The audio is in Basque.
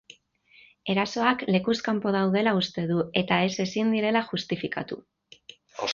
Erasoak lekuz kanpo daudela uste du, eta ez ezin direla justifikatu.